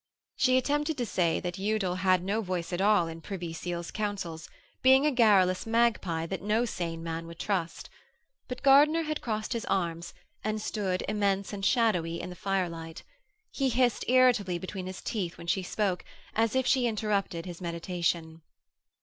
She attempted to say that Udal had no voice at all in Privy Seal's councils, being a garrulous magpie that no sane man would trust. But Gardiner had crossed his arms and stood, immense and shadowy, in the firelight. He hissed irritably between his teeth when she spoke, as if she interrupted his meditation.